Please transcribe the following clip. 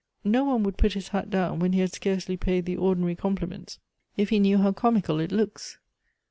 No one would put his hat down when he had scarcely paid the ordinary compliments if he knew how comical it looks.